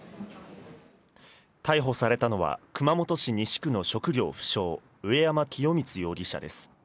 逮捕されたのは、熊本市西区の職業不詳、植山清三容疑者です。